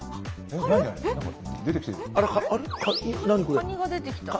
カニが出てきた。